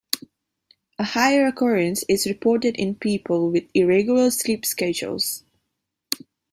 A higher occurrence is reported in people with irregular sleep schedules.